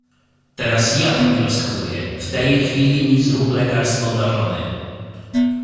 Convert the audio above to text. "Teraz ja tobie rozkazuję: w tej chwili mi zrób lekarstwo dla żony!"